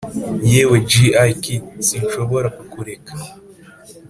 "yewe gyke, sinshobora kukureka.